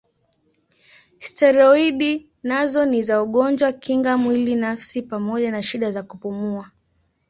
Steroidi nazo ni za ugonjwa kinga mwili nafsi pamoja na shida za kupumua.